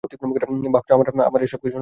ভাবছ আমার এসবকিছু নকল ছিল?